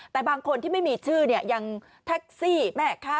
แต่บางคนที่ไม่มีชื่อเนี่ยยังแท็กซี่แม่ค้า